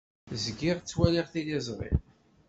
Zgiɣ ttwaliɣ tiliẓri.